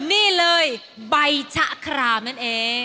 นี่เลยใบชะครามนั่นเอง